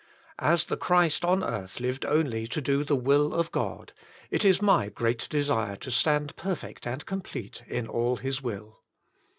As the Christ on earth lived only to do the will of God, it is my great desire to stand perfect and complete in all His will.